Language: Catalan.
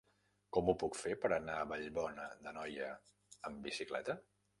Com ho puc fer per anar a Vallbona d'Anoia amb bicicleta?